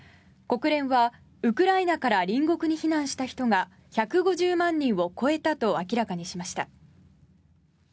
国連は、ウクライナから隣国に避難した人が１５０万人を超えたと明らかにしました。